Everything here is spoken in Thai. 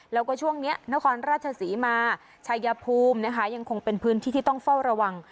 แล้วก็ช่วงนี้นครราชศรีมาชายภูมินะคะยังคงเป็นพื้นที่ที่ต้องเฝ้าระวัง